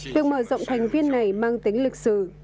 việc mở rộng thành viên này mang tính lịch sử